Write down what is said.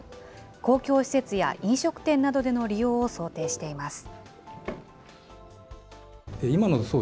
公共施設や飲食店などでの利用を想定しています。